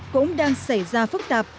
cũng đang xảy ra phức tạp